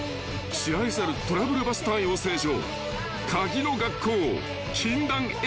知られざるトラブルバスター養成所］